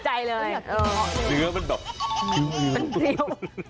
ดีกว่าเป็นต้อง